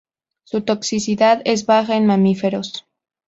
Su toxicidad es baja en mamíferos.